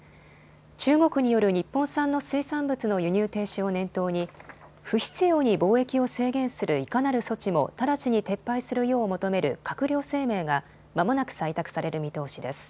中国による日本産の水産物の輸入停止を念頭に不必要に貿易を制限するいかなる措置も直ちに撤廃するよう求める閣僚声明がまもなく採択される見通しです。